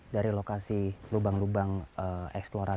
kita posisinya sekarang sekitar setengah jam